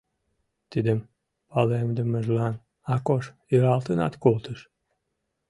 Тидым палемдымыжлан Акош иралтынат колтыш.